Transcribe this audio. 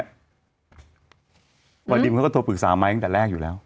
เพราะดิมเขาก็โทรปรึกษาไม้ตั้งแต่แรกอยู่แล้ว